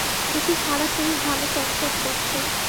দেখি সারা শরীর ঘামে চটচট করছে।